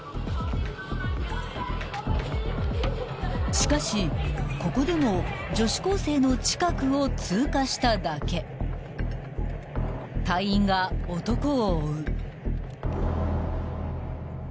［しかしここでも女子高生の近くを通過しただけ］［隊員が男を追う］